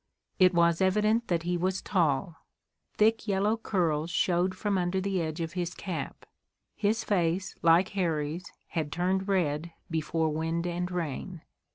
It was evident that he was tall. Thick, yellow curls showed from under the edge of his cap. His face, like Harry's, had turned red before wind and rain.